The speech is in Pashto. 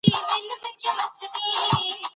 ازادي راډیو د اقلیتونه ته پام اړولی.